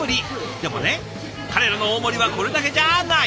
でもね彼らの大盛りはこれだけじゃない！